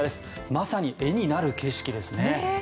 まさに絵になる景色ですね。